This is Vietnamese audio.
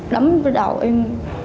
đấm cái đầu em